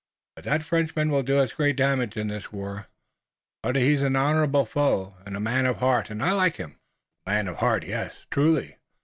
That Frenchman will do us great damage in this war, but he's an honorable foe, and a man of heart, and I like him." A man of heart! Yes, truly!